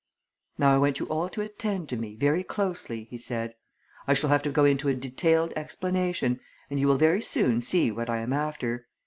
"Now I want you all to attend to me, very closely," he said. "I shall have to go into a detailed explanation, and you will very soon see what I am after.